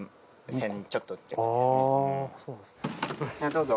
どうぞ。